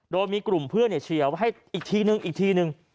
โดยมีกลุ่มเพื่อนเชียร์ไว้ให้อีกทีนึงอีกทีนึง